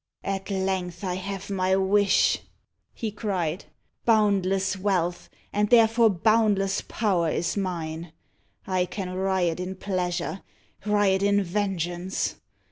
"At length I have my wish," he cried. "Boundless wealth, and therefore boundless power, is mine. I can riot in pleasure riot in vengeance.